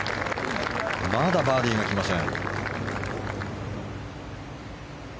まだバーディーが来ません。